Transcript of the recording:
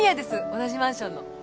同じマンションの。